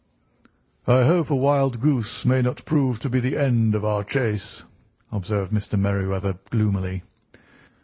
"I hope a wild goose may not prove to be the end of our chase," observed Mr. Merryweather gloomily.